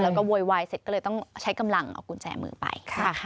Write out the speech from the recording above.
แล้วก็โวยวายเสร็จก็เลยต้องใช้กำลังเอากุญแจมือไป